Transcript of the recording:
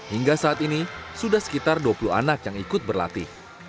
hingga saat ini sudah sekitar dua puluh anak yang ikut berlatih